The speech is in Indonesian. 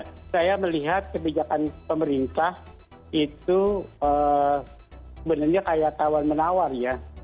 ya saya melihat kebijakan pemerintah itu sebenarnya kayak tawar menawar ya